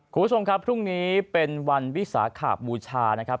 คุณผู้ชมครับพรุ่งนี้เป็นวันวิสาขบูชานะครับ